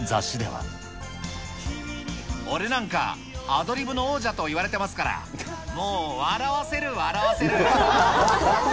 俺なんか、アドリブの王者といわれてますから、もう笑わせる、笑わせる。